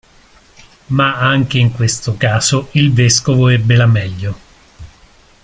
Ma anche in questo caso il vescovo ebbe la meglio.